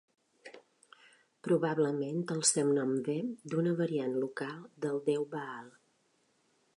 Probablement el seu nom ve d'una variant local del déu Baal.